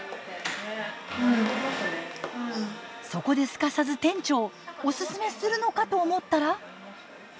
そこですかさず店長オススメするのかと思ったら。